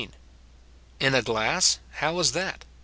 "In a glass," how is that?